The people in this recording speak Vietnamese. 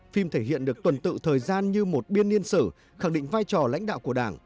phim thể hiện được tuần tự thời gian như một biên niên sử khẳng định vai trò lãnh đạo của đảng